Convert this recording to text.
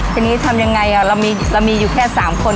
ทีนี้ทำยังไงอ่ะเรามีเรามีอยู่แค่สามคน